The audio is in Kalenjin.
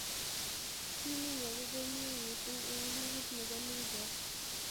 timinyo kokomie missing eng ligit nebo losers